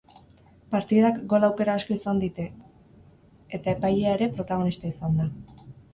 Partidak gol aukera asko izan dite eta epailea ere protagonista izan da.